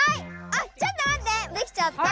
あちょっとまって。